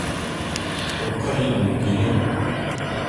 Tuqiɛ-yi-d nekkini.